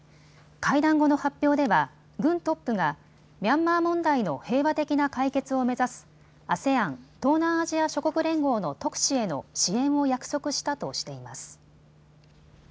会談後の発表では軍トップがミャンマー問題の平和的な解決を目指すＡＳＥＡＮ・東南アジア諸国連合の特使への支援を約束したとしています。